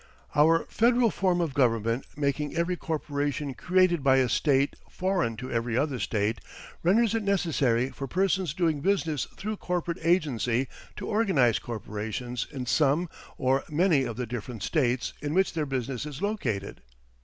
Our Federal form of government making every corporation created by a state foreign to every other state, renders it necessary for persons doing business through corporate agency to organize corporations in some or many of the different states in which their business is located.